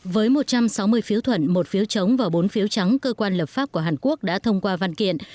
với một trăm sáu mươi phiếu thuận một phiếu chống và bốn phiếu trắng cơ quan lập pháp của hàn quốc đã thông qua văn kiện